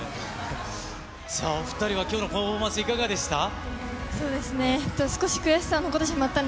お２人、きょうのパフォーマンス、いかがでした？